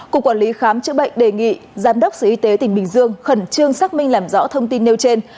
cục quản lý khám chữa bệnh đề nghị giám đốc sở y tế tỉnh bình dương khẩn trương xác minh làm rõ thông tin nêu trên